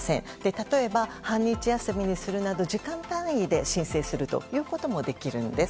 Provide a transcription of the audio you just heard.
例えば、半日休みにするなど時間単位で申請するということもできるんです。